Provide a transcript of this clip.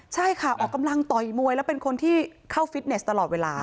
ใช่ค่ะออกกำลังต่อยมวยแล้วเป็นคนที่เข้าฟิตเนสตลอดเวลา